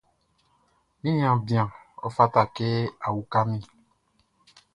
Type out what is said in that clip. Mi niaan bian, ɔ fata kɛ a uka min.